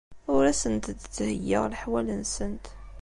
Ur asent-d-ttheyyiɣ leḥwal-nsent.